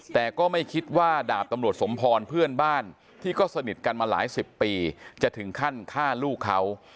แต่ก็ไม่คิดว่าดาบตำรวจสมพรเพื่อนบ้านที่ก็สนิทกันมาหลายสิบปีจะถึงขั้นฆ่าลูกเขา